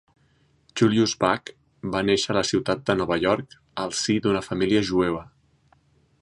Julius Bache va néixer a la ciutat de Nova York al si d'una família jueva.